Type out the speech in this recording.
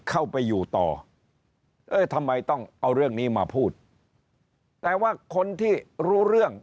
เข้าไปอยู่ต่อเอ้ยทำไมต้องเอาเรื่องนี้มาพูดแต่ว่าคนที่รู้เรื่อง